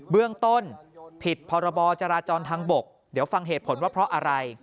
เรื่องต้นผิดพรบจราจรทางบกเดี๋ยวฟังเหตุผลว่าเพราะอะไร